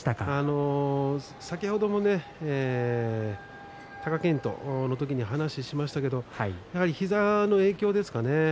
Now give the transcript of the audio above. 先ほども貴健斗の時に話をしましたけれどやはり膝の影響ですかね